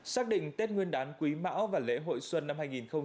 xác định tết nguyên đán quý mão và lễ hội xuân năm hai nghìn hai mươi